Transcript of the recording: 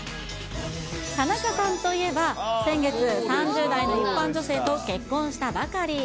田中さんといえば、先月、３０代の一般女性と結婚したばかり。